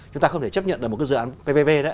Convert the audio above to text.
chúng ta không thể chấp nhận được một cái dự án ppp đấy